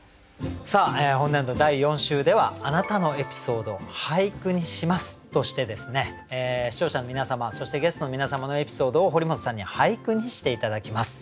本年度第４週では「あなたのエピソード、俳句にします」として視聴者の皆様そしてゲストの皆様のエピソードを堀本さんに俳句にして頂きます。